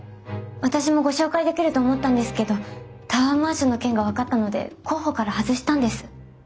私もご紹介できると思ったんですけどタワーマンションの件が分かったので候補から外したんです。